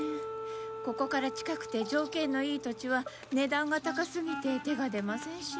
ここから近くて条件のいい土地は値段が高すぎて手が出ませんしね。